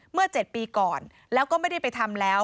เมื่อ๗ปีก่อนแล้วก็ไม่ได้ไปทำแล้ว